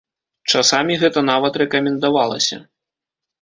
Часамі гэта нават рэкамендавалася.